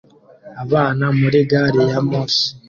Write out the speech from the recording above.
Abana muri gari ya moshi